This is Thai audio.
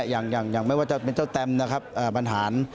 อย่างไม่ว่าจะเป็นเจ้าแตมนะครับบรรหาร